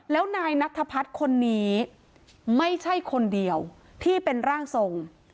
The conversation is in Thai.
แล้วนายนัทพัฒน์คนนี้ไม่ใช่คนเดียวที่เป็นร่างทรง